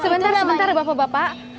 sebentar sebentar bapak bapak